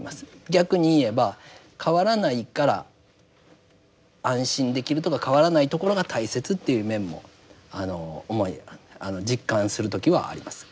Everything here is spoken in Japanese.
逆に言えば変わらないから安心できるとか変わらないところが大切っていう面も実感する時はあります。